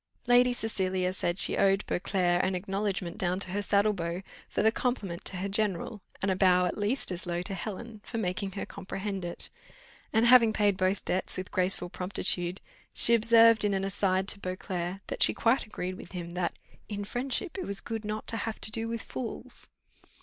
Lady Cecilia said she owed Beauclerc an acknowledgment down to her saddle bow, for the compliment to her general, and a bow at least as low to Helen, for making her comprehend it; and, having paid both debts with graceful promptitude, she observed, in an aside to Beauclerc, that she quite agreed with him, that "In friendship it was good not to have to do with fools."